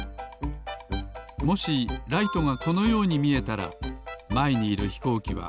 もしライトがこのようにみえたらまえにいるひこうきは